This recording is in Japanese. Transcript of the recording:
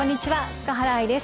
塚原愛です。